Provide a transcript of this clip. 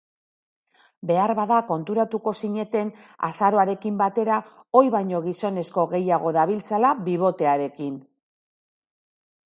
Beharbada konturatuko zineten azaroarekin batera ohi baino gizonezko gehiago dabiltzala bibotearekin.